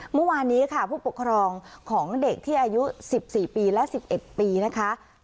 เมื่อวานนี้ค่ะผู้ปกครองของเด็กที่อายุสิบสี่ปีและสิบเอ็ดปีนะคะ